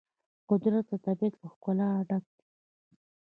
قدرت د طبیعت له ښکلا ډک دی.